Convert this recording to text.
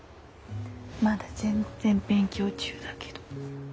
まだ全然勉強中だけど。